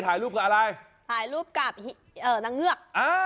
ถ่ายรูปกับนางเงือก